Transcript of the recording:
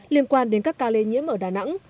liên quan đến các ca lây nhiễm ở đà nẵng